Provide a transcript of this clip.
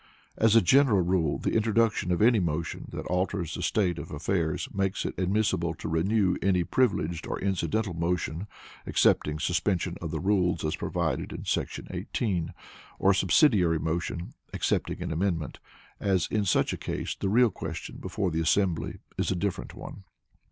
As a general rule the introduction of any motion that alters the state of affairs makes it admissible to renew any Privileged or Incidental motion (excepting Suspension of the Rules as provided in § 18), or Subsidiary motion (excepting an amendment), as in such a case the real question before the assembly is a different one.